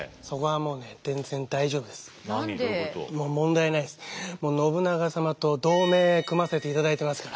もう信長様と同盟組ませていただいてますから。